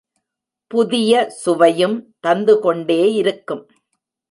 புதிய சுவையும் தந்துகொண்டே இருக்கும்.